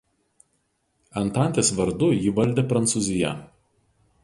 Antantės vardu jį valdė Prancūzija.